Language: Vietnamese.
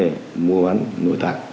để mua bán nội tạng